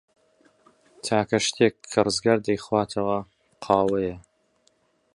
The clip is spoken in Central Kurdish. تاکە شتێک کە ڕزگار دەیخواتەوە، قاوەیە.